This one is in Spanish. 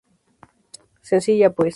Sencilla, pues.